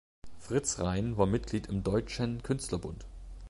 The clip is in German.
Fritz Rhein war Mitglied im Deutschen Künstlerbund.